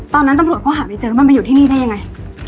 ตอนนั้นต้องผู้ช่วยค้าไม่เจอมันมาอยู่ที่นี่ได้ยังไง